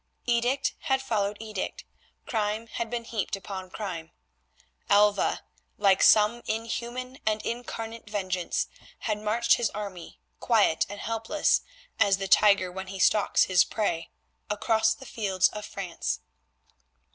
Edict had followed edict, crime had been heaped upon crime. Alva, like some inhuman and incarnate vengeance, had marched his army, quiet and harmless as is the tiger when he stalks his prey, across the fields of France.